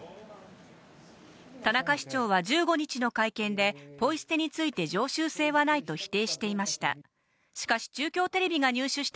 田中市長は１５日の会見で、ポイ捨てについて常習性はないと否定していました。